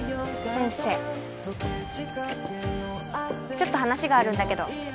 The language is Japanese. ちょっと話があるんだけど。